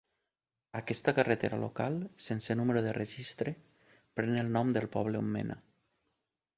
Aquesta carretera local, sense número de registre, pren el nom del poble on mena.